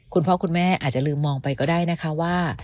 คุณพ่อคุณแม่อาจจะลืมมองไปก็ได้นะคะว่า